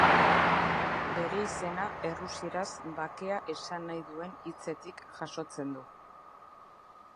Bere izena errusieraz bakea esan nahi duen hitzetik jasotzen du.